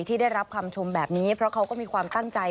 ที่ได้รับคำชมแบบนี้เพราะเขาก็มีความตั้งใจ